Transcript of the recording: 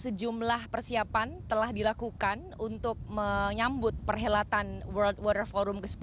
sejumlah persiapan telah dilakukan untuk menyambut perhelatan world water forum ke sepuluh